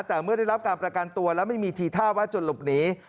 แต่เมื่อได้รับการประกันตัวแล้วไม่มีทีท่าว่าจะหลบหนี